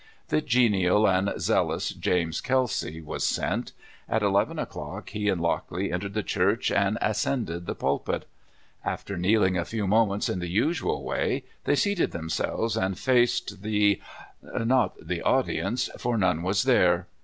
The genial and zealous James Kelsay was sent. At eleven o'clock he and Lockley entered the church, and ascended the pulpit. After kneeling a few moment in the usual way, they seated themselves and faced the — not the audience, for none was there.